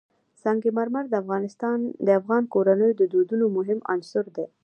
سنگ مرمر د افغان کورنیو د دودونو مهم عنصر دی.